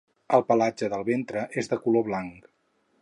El pelatge del ventre és de color blanc.